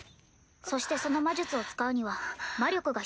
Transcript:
そしてその魔術を使うには魔力が必要です。